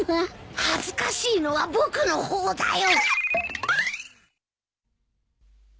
恥ずかしいのは僕の方だよ。